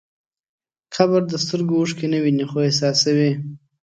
قبر د سترګو اوښکې نه ویني، خو احساسوي.